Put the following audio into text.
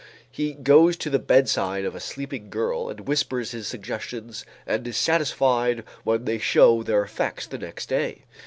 He goes to the bedside of a sleeping girl and whispers his suggestions and is satisfied when they show their effects the next day.